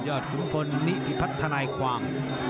ยอดขุมพลนิพิพัฒนาความ